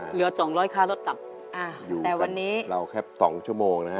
เหลือสองร้อยค่ารถต่ำอ่าแต่วันนี้เราแค่สองชั่วโมงนะฮะ